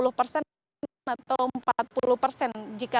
jika biasanya dari surabaya menuju ke ngawi